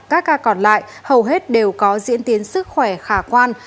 còn lại hầu hết đều có diễn tiến sức khỏe khả quan